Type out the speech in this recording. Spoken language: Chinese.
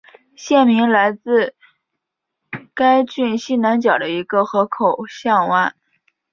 县名来自该郡西南角的一个河口港湾。